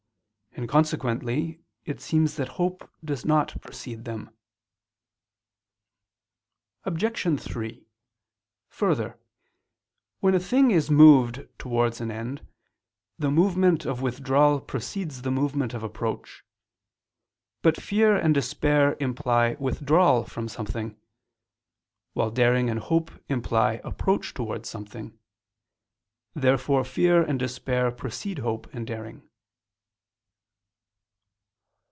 And consequently it seems that hope does not precede them. Obj. 3: Further, when a thing is moved towards an end, the movement of withdrawal precedes the movement of approach. But fear and despair imply withdrawal from something; while daring and hope imply approach towards something. Therefore fear and despair precede hope and daring.